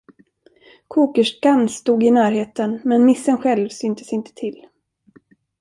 Kokerskan stod i närheten, men missen själv syntes inte till.